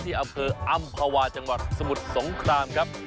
อำเภออำภาวาจังหวัดสมุทรสงครามครับ